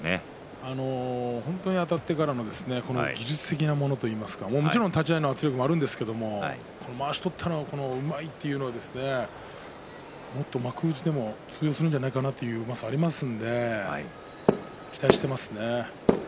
本当にあたってからの技術的なものというのは立ち合いの圧力もありますがまわしを取ったらうまいというのはもっと幕内でも通用するのではないかという強さがありますので期待していますね。